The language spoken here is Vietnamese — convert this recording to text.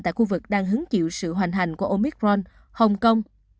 tại khu vực đang hứng chịu sự hoành hành của omicron hồng kông